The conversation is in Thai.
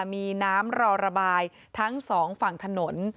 มีน้ำรอระบายทั้งสองฝั่งถนน